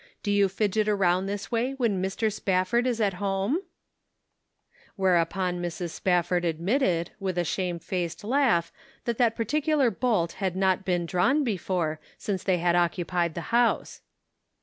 Do you fidget around this way when Mr. Spafford is at home?" "Yet Laclcest Thou ." 153 Whereupon Mrs. Spafford admitted, with a shame faced laugh that that particular bolt had not been drawn before since they had occupied the house.